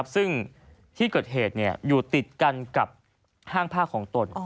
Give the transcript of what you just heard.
ซึ่งที่เกิดเหตุอยู่ติดกันกับห้างผ้าของตน